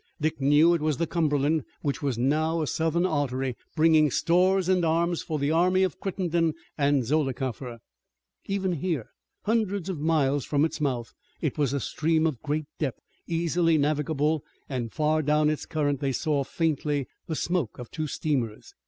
Dick knew that it was the Cumberland which was now a Southern artery, bringing stores and arms for the army of Crittenden and Zollicoffer. Even here, hundreds of miles from its mouth, it was a stream of great depth, easily navigable, and far down its current they saw faintly the smoke of two steamers.